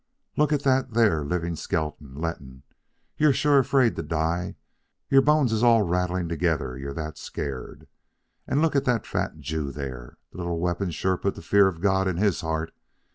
Look at that there living skeleton. Letton, you're sure afraid to die. Your bones is all rattling together you're that scared. And look at that fat Jew there. This little weapon's sure put the fear of God in his heart.